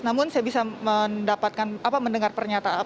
namun saya bisa mendapatkan mendengar pertanyaan anda bahwa